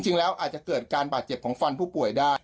อาจจะเกิดการบาดเจ็บของฟันผู้ป่วยได้